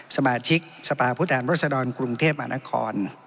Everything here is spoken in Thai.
สมาชิกสภาพุทธแห่งรสดรกรุงเทพอาณาคร